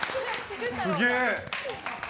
すげえ。